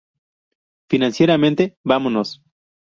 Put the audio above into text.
Financieramente, "¡Vámonos!